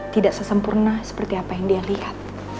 tidak sesempurna seperti apa yang dia lihat